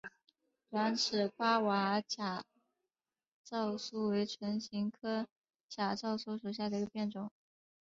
短齿爪哇假糙苏为唇形科假糙苏属下的一个变种。